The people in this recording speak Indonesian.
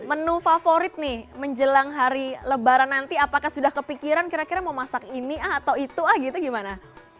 menu favorit nih menjelang hari lebaran nanti apakah sudah kepikiran kira kira mau masak ini ah atau itu ah gitu gimana